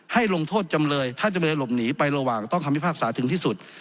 ลงโทษจำเลยถ้าจำเลยหลบหนีไประหว่างต้องคำพิพากษาถึงที่สุด